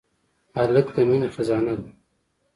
هلک د مینې خزانه ده.